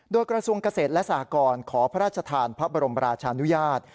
โดยกระทรวงเกษตรและสหกรขอพระราชทานพระบรมราชานุญาต